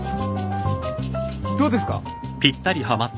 どうですか？